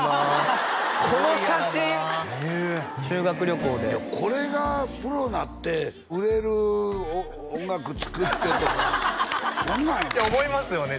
この写真修学旅行でこれがプロになって売れる音楽作ってとかそんなん思いますよね